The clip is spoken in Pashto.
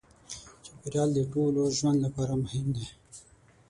چاپېریال د ټولو ژوند لپاره مهم دی.